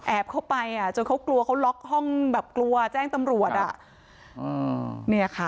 เข้าไปอ่ะจนเขากลัวเขาล็อกห้องแบบกลัวแจ้งตำรวจอ่ะอืมเนี่ยค่ะ